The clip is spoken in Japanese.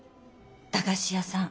駄菓子屋さん。